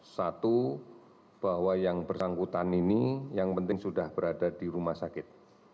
satu bahwa yang bersangkutan ini yang penting sudah berada di rumah sakit